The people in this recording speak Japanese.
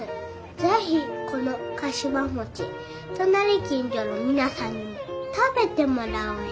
是非このかしわ餅隣近所の皆さんにも食べてもらおおえ。